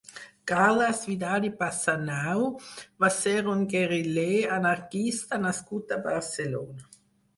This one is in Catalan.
Carles Vidal i Passanau va ser un guerriler anarquista nascut a Barcelona.